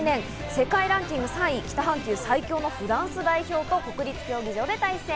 世界ランキング３位、北半球最強のフランス代表と国立競技場で対戦。